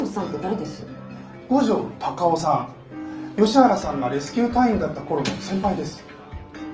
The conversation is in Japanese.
吉原さんがレスキュー隊員だった頃の先輩です。